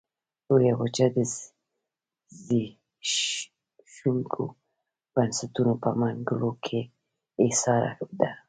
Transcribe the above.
لویه وچه د زبېښونکو بنسټونو په منګلو کې ایساره ده.